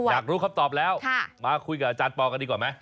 อยากรู้คำตอบแล้วมาคุยกับอาจารย์ปอลกันดีกว่าไหม